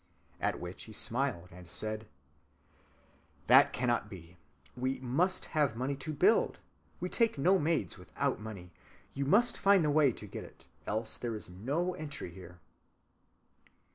At which he smiled and said: _That cannot be. We must have money to build; we take no maids without money; you must find the way to get it, else there is no entry here.